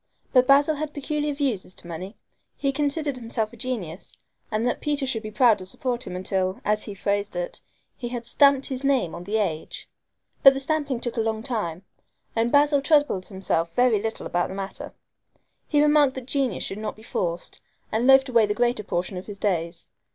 But Basil had peculiar views as to money. He considered himself a genius, and that Peter should be proud to support him until, as he phrased it, he had "stamped his name on the age"! But the stamping took a long time, and Basil troubled himself very little about the matter. He remarked that genius should not be forced, and loafed away the greater portion of his days.